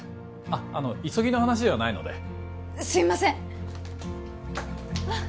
あっあの急ぎの話ではないのですいませんあっ